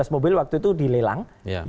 lima belas mobil waktu itu dilelang